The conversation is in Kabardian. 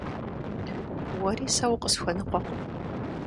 Уэри сэ укъысхуэныкъуэкъым.